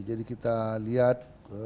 jadi kita lihat